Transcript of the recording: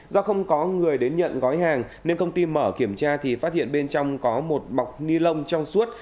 do không có người đến nhận gói hàng nên công ty mở kiểm tra thì phát hiện bên trong có một mọc nilon trong suốt